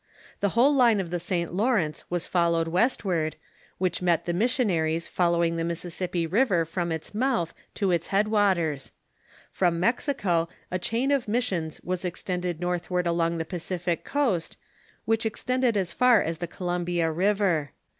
The whole line of the St. Lawrence was followed 292 THE MODERN CHURCH westward, which met the missionaries following the Mississippi River from its mouth to its head waters. From Mexico a chain of missions was extended northward along the Pacific coast, which extended as far as the Columbia River.